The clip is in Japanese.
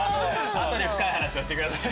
あとで深い話をしてください。